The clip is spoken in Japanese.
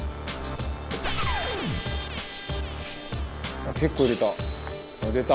「あっ結構入れた。